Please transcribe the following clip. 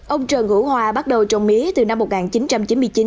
ông trần hữu hòa bắt đầu trồng mía từ năm một nghìn chín trăm chín mươi chín